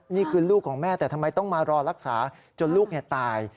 นี่คือลูกของแม่แต่ทำไมต้องมารอรักษาจนลูกตาย